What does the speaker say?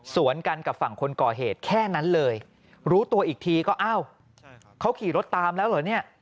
สวนกันกับฝั่งคนก่อเหตุแค่นั้นเลยรู้ตัวอีกทีก็อ้าวเขาขี่รถตามแล้วเหรอเนี่ย